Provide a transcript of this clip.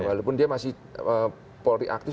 walaupun dia masih polri aktif